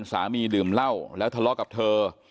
สามีดื่มเหล้าแล้วทะเลาะกับเธอ